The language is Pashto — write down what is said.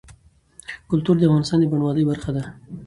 کلتور د افغانستان د بڼوالۍ برخه ده.